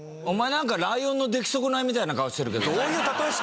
お前なんかライオンの出来損ないみたいな顔してるけど。